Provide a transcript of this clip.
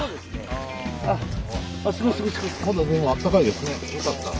・まだでもあったかいですね。よかった。